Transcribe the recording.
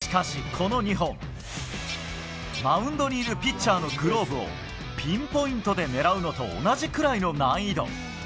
しかし、この２本マウンドにいるピッチャーのグローブをピンポイントで狙うのと同じくらいの難易度。